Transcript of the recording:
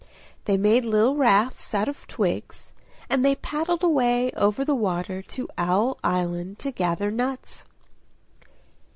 They made little rafts out of twigs, and they paddled away over the water to Owl Island to gather nuts.